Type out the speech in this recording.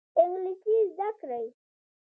انګلیسي زده کړئ